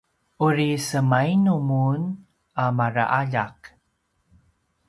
uri semainu mun a maraljak?